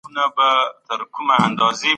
دا خبره ويل کېږي چي اسلام ازادي مني.